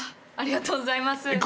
ありがとうございます。